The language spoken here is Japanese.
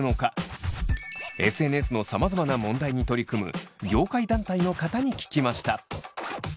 ＳＮＳのさまざまな問題に取り組む業界団体の方に聞きました。